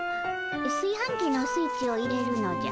すいはんきのスイッチを入れるのじゃ。